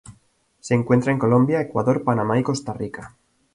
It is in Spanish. Se encuentra en Colombia, Ecuador, Panamá y Costa Rica.